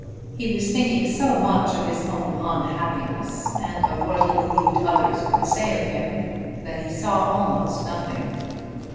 He was thinking so much of his own unhappiness and of what he believed others would say of him, that he saw almost nothing.